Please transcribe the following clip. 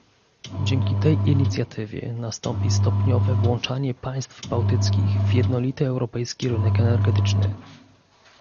Dzięki tej inicjatywie nastąpi stopniowe włączanie państw bałtyckich w jednolity europejski rynek energetyczny